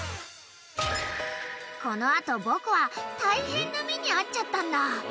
［この後僕は大変な目に遭っちゃったんだ］